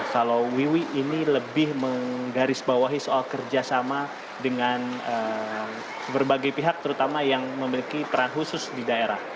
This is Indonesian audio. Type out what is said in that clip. kalau wiwi ini lebih menggarisbawahi soal kerjasama dengan berbagai pihak terutama yang memiliki peran khusus di daerah